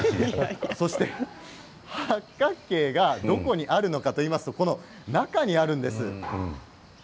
そして、八角形がどこにあるのかといいますと中にあるんです。